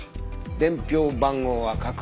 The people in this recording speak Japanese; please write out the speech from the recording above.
伝票番号は架空。